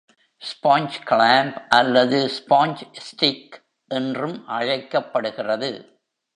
Sponge clamp அல்லது sponge stick என்றும் அழைக்கப்படுகிறது.